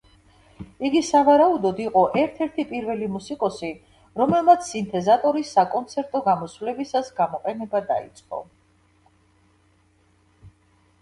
იგი სავარაუდოდ, იყო ერთ-ერთი პირველი მუსიკოსი, რომელმაც სინთეზატორის საკონცერტო გამოსვლებისას გამოყენება დაიწყო.